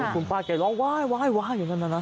คุณป้าแกร้องว้ายว้ายว้ายอยู่ที่นั้นแล้วนะ